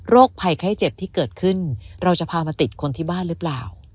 ภัยไข้เจ็บที่เกิดขึ้นเราจะพามาติดคนที่บ้านหรือเปล่า